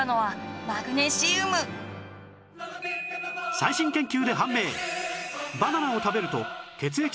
最新研究で判明！